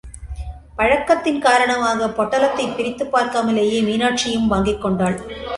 பழக்கத்தின் காரணமாக, பொட்டலத்தைப் பிரித்துப் பார்க்காமலேயே மீனாட்சியும் வாங்கிக் கொண்டாள்.